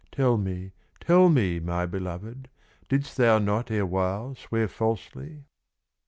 "Tell me, tell me, my belovèd, Didst thou not erewhile swear falsely?"